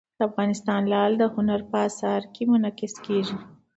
افغانستان کې لعل د هنر په اثار کې منعکس کېږي.